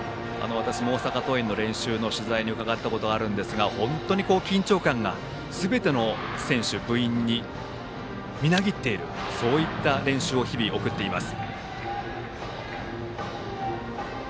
私も大阪桐蔭の練習の取材に伺ったことがありますが本当に緊張感がすべての選手、部員にみなぎっているそういった練習を日々、行っています。